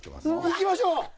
行きましょう。